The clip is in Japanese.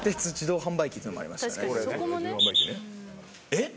えっ？